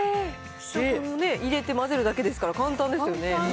入れて混ぜるだけですから、簡単ですよね。